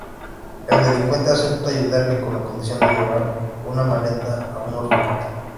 El delincuente acepta ayudarle con la condición de llevar una maleta a un orfanato.